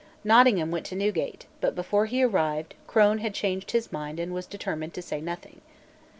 Nottingham went to Newgate; but, before he arrived, Crone had changed his mind and was determined to say nothing.